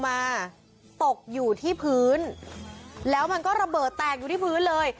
มาตกอยู่ที่พื้นแล้วมันก็ระเบิดแตกอยู่ที่พื้นเลย